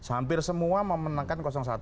hampir semua memenangkan satu